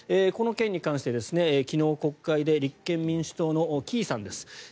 この件に関して昨日、国会で立憲民主党の城井さんです。